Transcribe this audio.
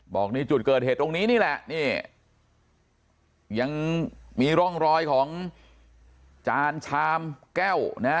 ในจุดเกิดเหตุตรงนี้นี่แหละนี่ยังมีร่องรอยของจานชามแก้วนะ